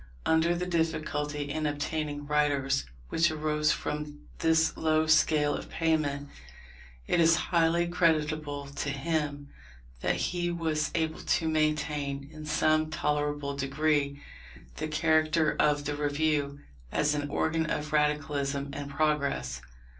Under the difficulty in obtaining writers, which arose from this low scale of payment, it is highly creditable to him that he was able to maintain, in some tolerable degree, the character of the Review as an organ of radicalism and progress.